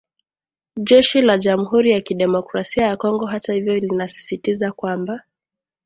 Jeshi la jamuhuri ya kidemokrasia ya Kongo hata hivyo linasisitiza kwamba